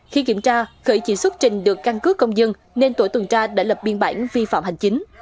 khi kiểm tra khởi chỉ xuất trình được căn cứ công dân nên tổ tuần tra đã lập biên bản vi phạm hành chính